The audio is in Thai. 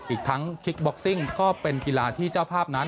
อีกทั้งคิกบ็อกซิ่งก็เป็นกีฬาที่เจ้าภาพนั้น